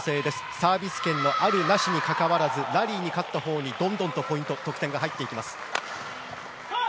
サービス権のあるなしに関わらずラリーに勝ったほうにどんどんとポイント、得点が入ります。